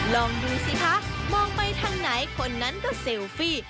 ลองดูสิคะมองไปทางไหนคนนั้นก็เซลฟี่